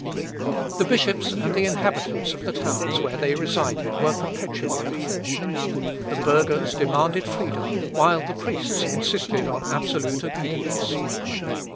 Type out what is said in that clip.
The bishops and the inhabitants of the towns where they resided were perpetually at war. The burghers demanded freedom, while the priests insisted on absolute obedience.